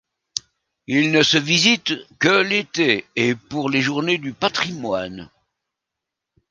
Il ne se visite que l'été et pour les journées du patrimoine.